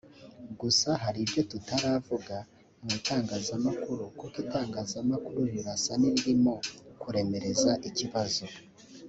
gusa hari ibyo tutaravuga mu itangazamukuru kuko itangazamakuru rirasa n’iririmo kuremereza ikibazo